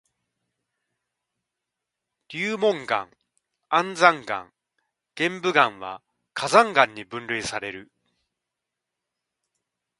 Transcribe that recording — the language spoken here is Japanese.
流紋岩、安山岩、玄武岩は火山岩に分類される。